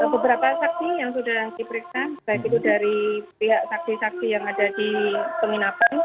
beberapa saksi yang sudah diperiksa baik itu dari pihak saksi saksi yang ada di penginapan